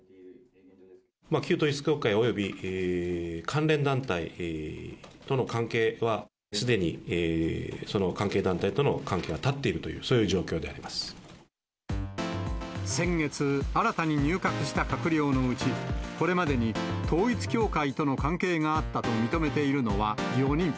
旧統一教会および関連団体との関係は、すでにその関係団体との関係は断っているという、そういう状況で先月、新たに入閣した閣僚のうち、これまでに統一教会との関係があったと認めているのは４人。